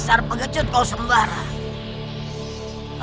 dasar pengecut kau sembarang